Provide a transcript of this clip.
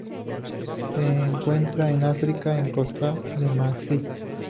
Se encuentran en África: en Costa de Marfil.